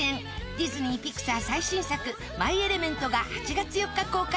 ディズニーピクサー最新作『マイ・エレメント』が８月４日公開です